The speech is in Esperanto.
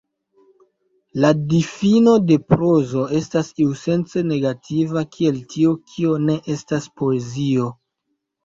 La difino de prozo estas iusence negativa, kiel tio, kio ne estas poezio.